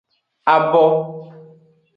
Abo.